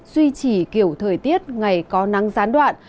duy trì kiểu thời tiết ngày có nắng gián đoạn